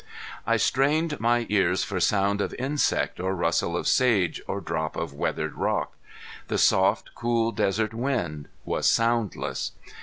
I strained my ears for sound of insect or rustle of sage or drop of weathered rock. The soft cool desert wind was soundless.